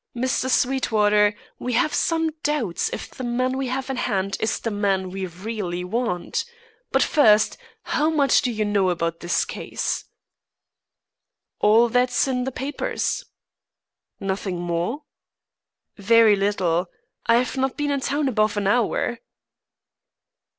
Mr. Sweetwater, we have some doubts if the man we have in hand is the man we really want. But first, how much do you know about this case?" "All that's in the papers." "Nothing more?" "Very little. I've not been in town above an hour."